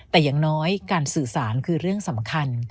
แต่อย่างน้อยการสื่อสารคือเรื่องสำคัญ